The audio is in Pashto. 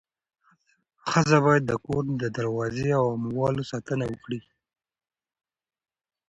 ښځه باید د کور د دروازې او اموالو ساتنه وکړي.